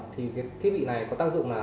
thì cái thiết bị này có tác dụng là